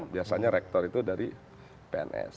biasanya rektor itu dari pns